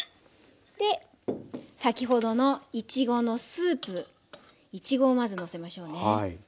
先ほどのいちごのスープいちごをまずのせましょうね。